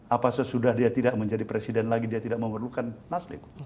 apa sesudah dia tidak menjadi presiden lagi dia tidak memerlukan nasdem